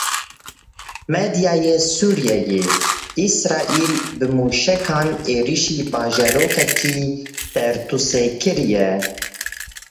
Medyaya Sûriyeyê, Israîlê bi mûşekan êrişî bajarokekî Tertûsê kiriye.